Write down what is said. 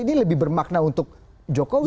ini lebih bermakna untuk jokowi